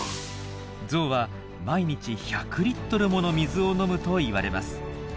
ゾウは毎日１００リットルもの水を飲むといわれます。